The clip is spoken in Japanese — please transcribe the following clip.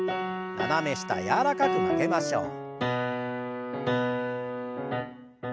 斜め下柔らかく曲げましょう。